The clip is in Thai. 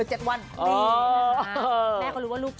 ชอบอะไรก็ได้